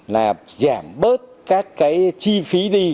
là giảm bớt các cái chi phí đi